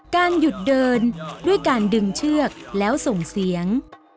การหยุดเดินด้วยการดึงเชือกแล้วส่งเสียง